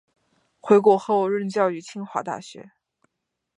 回国后任教于清华大学。